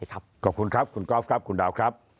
ขอบคุณครับคุณกอล์ฟคุณดาว